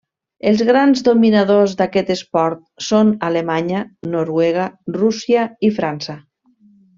Els grans dominadors d'aquest esport són Alemanya, Noruega, Rússia i França.